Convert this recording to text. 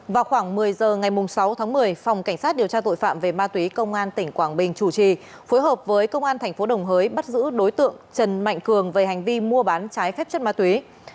vào khoảng một mươi h ngày sáu tháng một mươi phòng cảnh sát điều tra tội phạm về ma túy công an tỉnh quảng bình chủ trì phối hợp với công an tp đồng hới bắt giữ đối tượng trần mạnh cường về hành vi mua bán trái phép chất ma túy